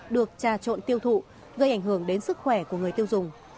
được trà trộn tiêu thụ gây ảnh hưởng đến sức khỏe của người tiêu dùng